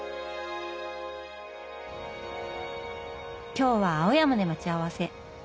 今日は青山で待ち合わせ。